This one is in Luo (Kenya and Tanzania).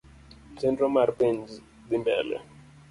Chenro mar penj dhi mbele.